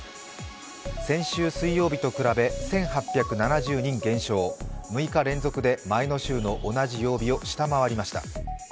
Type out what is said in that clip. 先週水曜日と比べ１８７０人減少、６日連続で前の週の同じ曜日を下回りました。